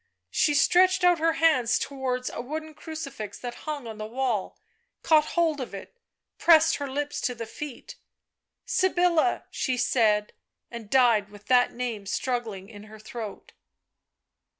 She stretched out her hands towards a wooden crucifix that hung on the wall, caught hold of it, pressed her lips to the feet. ..." Sybilla," she said, and died with that name struggling in her throat.